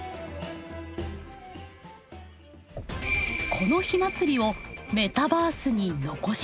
この火祭りをメタバースに残します。